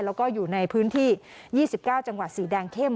แล้วก็อยู่ในพื้นที่๒๙จังหวัดสีแดงเข้ม